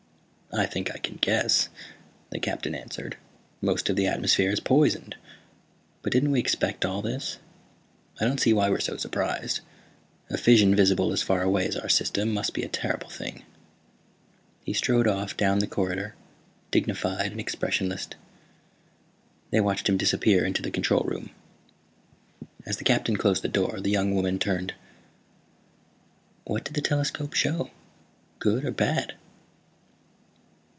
"I think I can guess," the Captain answered. "Most of the atmosphere is poisoned. But didn't we expect all this? I don't see why we're so surprised. A fission visible as far away as our system must be a terrible thing." He strode off down the corridor, dignified and expressionless. They watched him disappear into the control room. As the Captain closed the door the young woman turned. "What did the telescope show? Good or bad?"